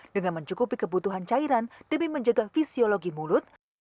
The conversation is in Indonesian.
dengan mencukupi kebutuhan cairan demi menjaga fisiologi mulut